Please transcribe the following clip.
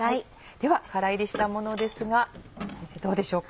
では空炒りしたものですが先生どうでしょうか？